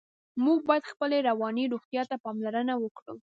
موږ باید خپلې رواني روغتیا ته پاملرنه وکړو.